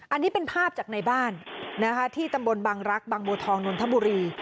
อันนี้เป็นภาพจากในบ้านนะคะที่ตำบลบังรักษ์บางบัวทองนนทบุรี